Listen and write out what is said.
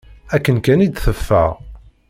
Akken kan i d-teffeɣ.